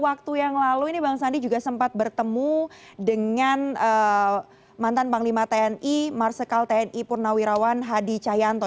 waktu yang lalu ini bang sandi juga sempat bertemu dengan mantan panglima tni marsikal tni purnawirawan hadi cahyanto